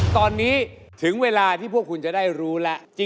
ตอนนี้ถึงเวลาที่พวกคุณจะได้รู้แล้ว